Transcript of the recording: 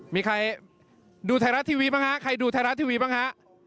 มีใครดูไทยรัฐทีวีบ้างฮะใครดูไทยรัฐทีวีบ้างฮะ